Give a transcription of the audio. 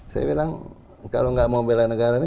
saya bilang kalau enggak mau belanegara ini